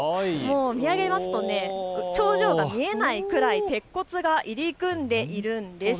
見上げると頂上が見えないくらい鉄骨が入り組んでいるんです。